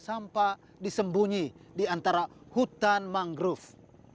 sampah disembunyi di antara hutan mangrove